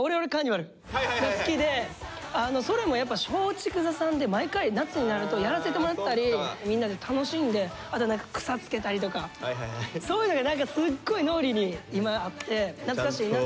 それもやっぱ松竹座さんで毎回夏になるとやらせてもらってたりみんなで楽しんであと何か草つけたりとかそういうのが何かすっごい脳裏に今あって懐かしいなと。